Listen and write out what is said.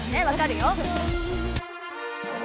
分かるよ。